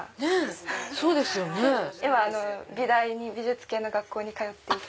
今美大に美術系の学校に通っていて。